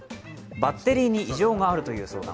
バッテリーに異常があるという相談。